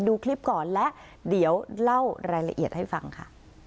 ดูคลิปก่อนและเดี๋ยวเล่ารายละเอียดให้ฟังค่ะ